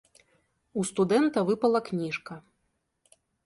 У студэнта выпала кніжка.